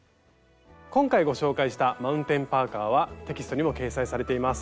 今回ご紹介したマウンテンパーカーはテキストにも掲載されています。